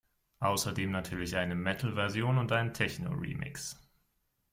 Außerdem natürlich eine Metal-Version und einen Techno-Remix.